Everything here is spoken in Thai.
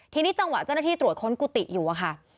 ทีนี้จังหวะเจ้าหน้าที่ตรวจค้นกุฏิอยู่อะค่ะ